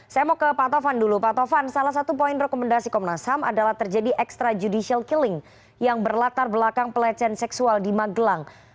saya mau ke pak tovan dulu pak tovan salah satu poin rekomendasi komnas ham adalah terjadi extrajudicial killing yang berlatar belakang pelecehan seksual di magelang